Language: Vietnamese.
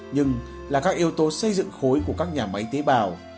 nhưng là các yếu tố xây dựng khối của các nhà máy tế bào